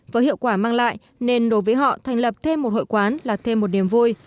với hiệu quả mang lại nên đối với họ thành lập thêm một hội quán là thêm một niềm vui